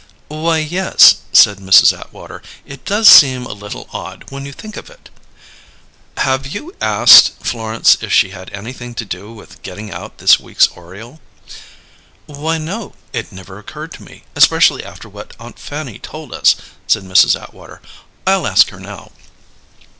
"Why, yes," said Mrs. Atwater, "it does seem a little odd, when you think of it." "Have you asked Florence if she had anything to do with getting out this week's Oriole?" "Why, no; it never occurred to me, especially after what Aunt Fanny told us," said Mrs. Atwater. "I'll ask her now."